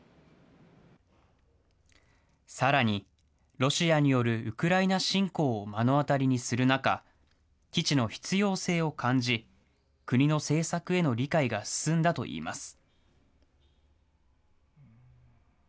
さらに、ロシアによるウクライナ侵攻を目の当たりにする中、基地の必要性を感じ、国の政策への理解が進んだといいます。